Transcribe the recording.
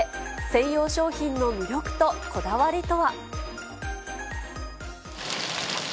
専用商品の魅力とこだわりとは。